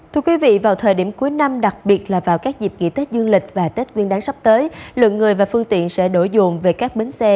thưa quý vị vào thời điểm cuối năm đặc biệt là vào các dịp nghỉ tết dương lịch và tết nguyên đáng sắp tới lượng người và phương tiện sẽ đổ dồn về các bến xe